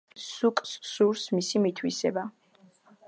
სუკს სურს მისი მითვისება.